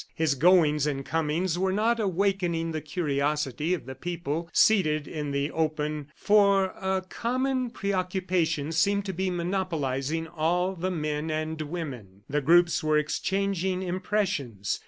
His goings and comings were not awakening the curiosity of the people seated in the open, for a common preoccupation seemed to be monopolizing all the men and women. The groups were exchanging impressions.